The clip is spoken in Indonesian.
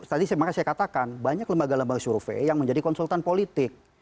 tadi makanya saya katakan banyak lembaga lembaga survei yang menjadi konsultan politik